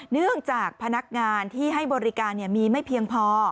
เนื่องจากพนักงานที่ให้บริการมีไม่เพียงพอ